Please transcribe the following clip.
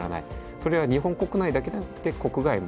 それは日本国内だけでなくて国外も。